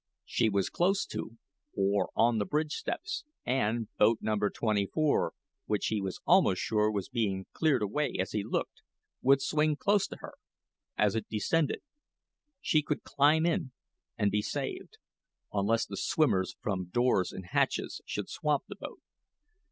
She was close to, or on the bridge steps; and boat No. 24, which he was almost sure was being cleared away as he looked, would swing close to her as it descended. She could climb in and be saved unless the swimmers from doors and hatches should swamp the boat.